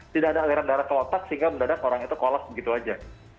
tidak ada aliran darah ke otak sehingga mendadak orang itu kolos begitu saja